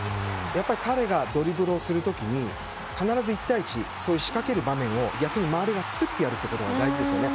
彼がドリブルをする時に必ず１対１、仕掛ける場面を周りが作ってあげることが大事ですよね。